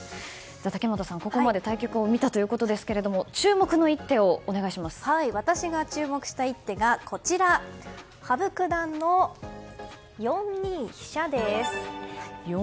竹俣さん、ここまで対局を見たということですが私が注目した一手が羽生九段の４二飛車です。